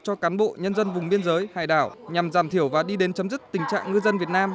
cho cán bộ nhân dân vùng biên giới hải đảo nhằm giảm thiểu và đi đến chấm dứt tình trạng ngư dân việt nam